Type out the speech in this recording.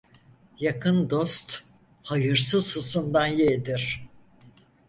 Yakın dost hayırsız hısımdan yeğdir.